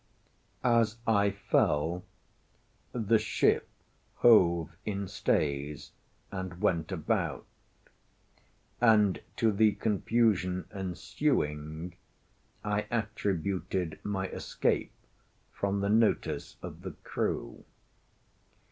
As I fell, the ship hove in stays, and went about; and to the confusion ensuing I attributed my escape from the notice of the crew.